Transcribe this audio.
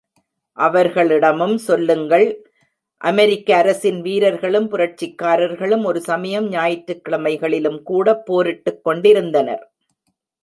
அவர்களிடமும் சொல்லுங்கள் அமெரிக்க அரசின் வீரர்களும் புரட்சிக்காரர்களும் ஒரு சமயம் ஞாயிற்றுக் கிழமைகளிலும் கூட போரிட்டுக் கொண்டிருந்தனர்.